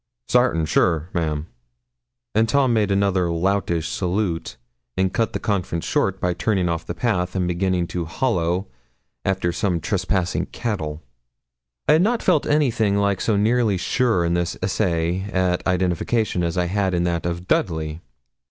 'Sartin sure, ma'am.' And Tom made another loutish salute, and cut the conference short by turning off the path and beginning to hollo after some trespassing cattle. I had not felt anything like so nearly sure in this essay at identification as I had in that of Dudley.